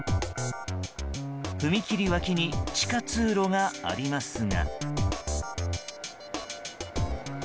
踏切脇に地下通路がありますが。